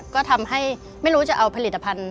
ก็ทำให้ไม่รู้จะเอาผลิตภัณฑ์